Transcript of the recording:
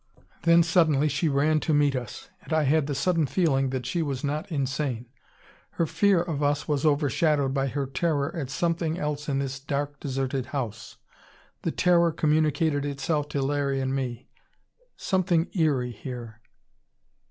Then suddenly she ran to meet us, and I had the sudden feeling that she was not insane. Her fear of us was overshadowed by her terror at something else in this dark, deserted house. The terror communicated itself to Larry and me. Something eery, here.